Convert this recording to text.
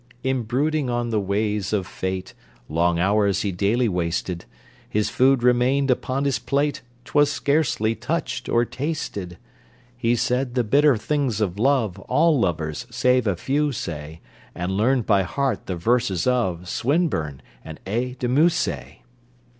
In brooding on the ways of Fate Long hours he daily wasted, His food remained upon his plate, 'Twas scarcely touched or tasted: He said the bitter things of love, All lovers, save a few, say, And learned by heart the verses of Swinburne, and A. de Musset!